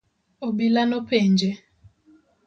Obila nopenje.